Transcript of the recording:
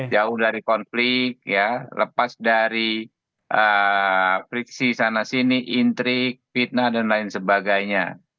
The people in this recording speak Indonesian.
jauh dari konflik ya lepas dari friksi sana sini intrik fitnah dan lain sebagainya